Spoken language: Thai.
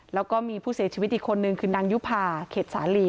แล้วก็มีผู้เสียชีวิตอีกคนนึงคือนางยุภาเข็ดสาลี